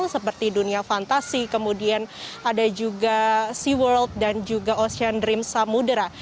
seperti dunia fantasi kemudian ada juga sea world dan juga ocean dream samudera